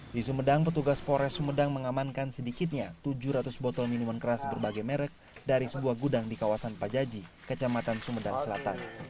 di sumedang petugas pores sumedang mengamankan sedikitnya tujuh ratus botol minuman keras berbagai merek dari sebuah gudang di kawasan pajaji kecamatan sumedang selatan